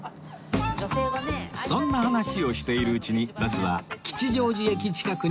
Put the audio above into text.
そんな話をしているうちにバスは吉祥寺駅近くに到着です